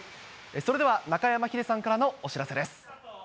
それでは中山ヒデさんからのお知らせです。